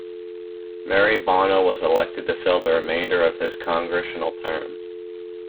Mary Bono was elected to fill the remainder of his congressional term.